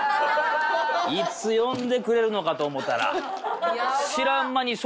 いつ呼んでくれるのかと思うたら。